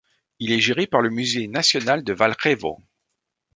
Il est géré par le Musée national de Valjevo.